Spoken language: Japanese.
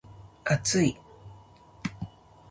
厚い